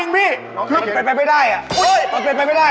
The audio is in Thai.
นกพี่ตีพี่เข้าหรอ